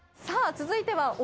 さあ続いては。